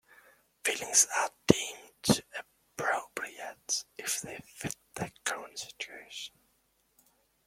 Feelings are deemed appropriate if they fit the current situation.